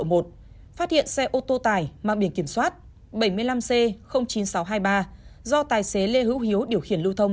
phát hiện xe ô tô tải mang biển kiểm soát bảy mươi năm c chín nghìn sáu trăm hai mươi ba do tài xế lê hữu hiếu điều khiển lưu thông